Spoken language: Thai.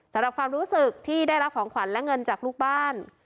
สำหรับความรู้สึกที่ได้รับของขวัญและเงินจากลูกบ้าน